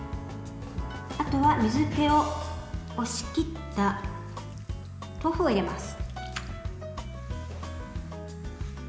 あとは、水けを押しきった豆腐を入れます。